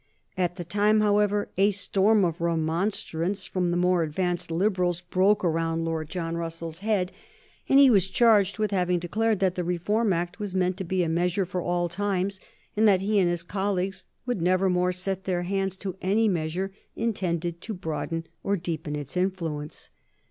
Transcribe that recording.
At the time, however, a storm of remonstrance from the more advanced Liberals broke around Lord John Russell's head, and he was charged with having declared that the Reform Act was meant to be a measure for all times, and that he and his colleagues would never more set their hands to any measure intended to broaden or deepen its influence.